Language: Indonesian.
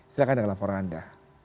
silahkan dengan laporan anda